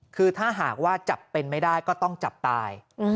คือถ้าหากว่าจับเป็นไม่ได้ก็ต้องจับตาย